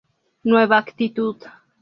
Nueva actitud"".